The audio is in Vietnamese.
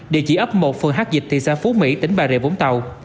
địa chỉ ấp một phường hát dịch thị xã phú mỹ tỉnh bà rịa vũng tàu